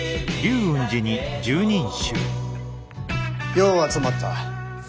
よう集まった。